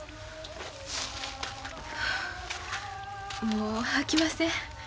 もうあきません。